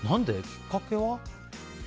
きっかけは？